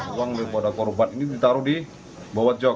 uang daripada korban ini ditaruh di bawah jog